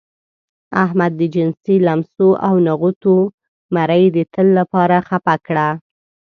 احمد د جنسي لمسو او نغوتو مرۍ د تل لپاره خپه کړه.